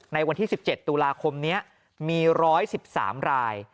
ในวันที่๑๗ตุลาคมนี้มี๑๑๓ราย